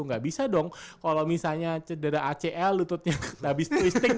enggak bisa dong kalau misalnya cedera acl lututnya abis twisting